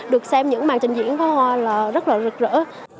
được xem những màn trình diễn pháo hoa là rất là rực rỡ